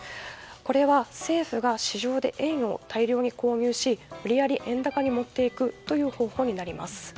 これは政府が市場で円を大量に購入し無理やり円高に持っていくという方法です。